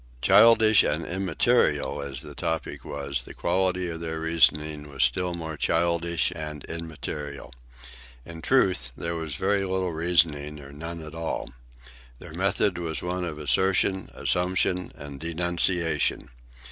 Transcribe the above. Childish and immaterial as the topic was, the quality of their reasoning was still more childish and immaterial. In truth, there was very little reasoning or none at all. Their method was one of assertion, assumption, and denunciation.